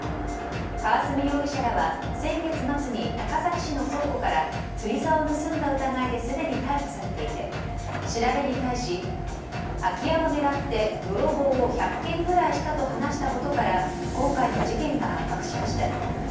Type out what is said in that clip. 川澄容疑者らは先月末に高崎市の倉庫から釣りざおを盗んだ疑いですでに逮捕されていて調べに対し、空き家を狙って泥棒を１００件ぐらいしたと話したことから今回の事件が発覚しました。